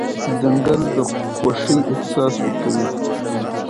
ځنګل د خوښۍ احساس ورکوي.